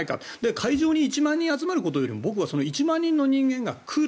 会場に１万人集まることよりも僕は１万人の人間が来る。